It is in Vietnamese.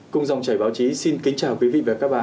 cùng dòng chảy báo chí xin kính chào quý vị và các bạn